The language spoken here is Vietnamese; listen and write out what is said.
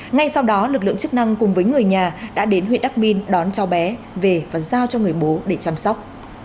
ngay sau đó lực lượng chức năng cùng với người nhà đã đến huyện đắc minh đón cháu bé về và giao cho người bố để chăm sóc